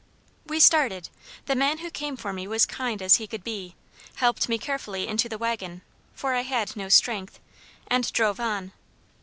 "We started. The man who came for me was kind as he could be, helped me carefully into the wagon, (for I had no strength,) and drove on.